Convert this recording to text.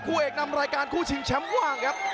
เอกนำรายการคู่ชิงแชมป์ว่างครับ